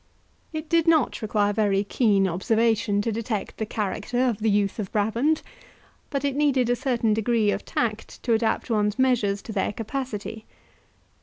It did not require very keen observation to detect the character of the youth of Brabant, but it needed a certain degree of tact to adopt one's measures to their capacity.